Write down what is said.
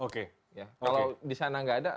kalau di sana nggak ada